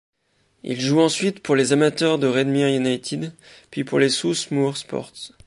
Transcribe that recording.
Il joue ensuite pour les amateurs de Redmire United puis pour South Moor Sports.